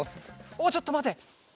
おおちょっとまて。